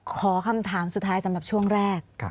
ขอคำถามสุดท้ายสำหรับช่วงแรก